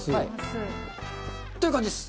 という感じです。